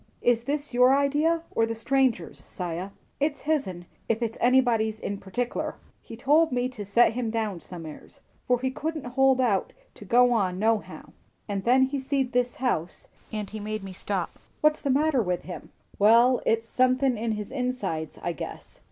"Is this your idea, or the stranger's, 'Siah?" "It's his'n, ef it's anybody's in partickler. He told me to set him down some'eres, for he couldn't hold out to go on nohow; and then he seed this house, and he made me stop. He's a sick man, I tell you." "What's the matter with him?" "Wall, it's sunthin' in his insides, I guess.